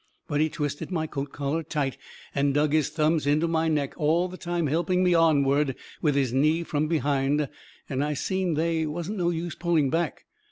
But he twisted my coat collar tight and dug his thumbs into my neck, all the time helping me onward with his knee from behind, and I seen they wasn't no use pulling back.